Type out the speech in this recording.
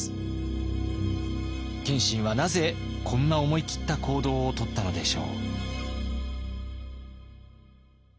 謙信はなぜこんな思い切った行動をとったのでしょう？